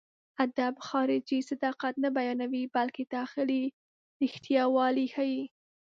ادب خارجي صداقت نه بيانوي، بلکې داخلي رښتياوالی ښيي.